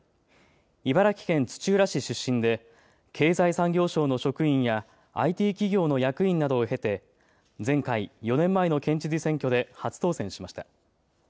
茨城県土浦市出身で経済産業省の職員やＩＴ企業の役員などを経て前回４年前の県知事選挙で初当選しました。